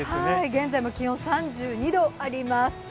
現在も気温３２度あります。